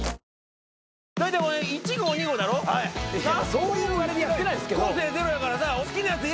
そういうあれでやってないですけど。